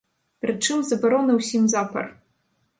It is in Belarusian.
Прычым, забарона ўсім запар.